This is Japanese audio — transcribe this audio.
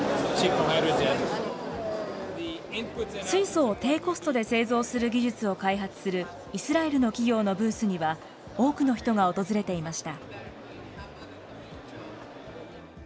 水素を低コストで製造する技術を開発するイスラエルの企業のブースには、多くの人が訪れていました。